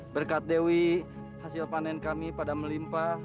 berkat dewi hasil panen kami pada melimpah